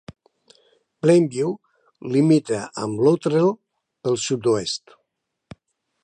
Plainview limita amb Luttrell pel sud-oest.